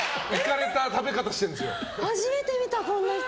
初めて見た、こんな人。